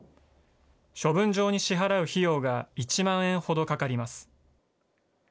処分場に支払う費用が１万円ほどかかります。